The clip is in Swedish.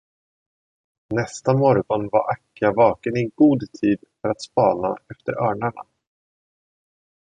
Nästa morgon var Akka vaken i god tid för att spana efter örnarna.